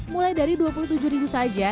mulai dari rp dua puluh tujuh saja